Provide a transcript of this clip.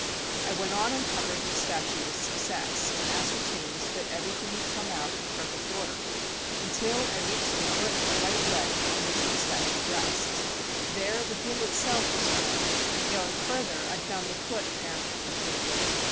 I went on uncovering the statue with success, and ascertained that everything had come out in perfect order, until I reached the foot of the right leg on which the statue rests. There the heel itself was formed, and going further, I found the foot apparently complete.